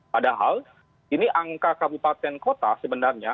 padahal ini angka kabupaten kota sebenarnya